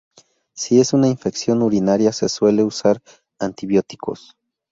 Si es una infección urinaria se suele usar antibióticos.